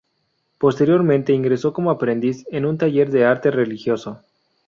Posteriormente, ingresó como aprendiz en un taller de arte religioso.